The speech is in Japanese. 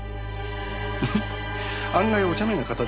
フフッ案外おちゃめな方ですよね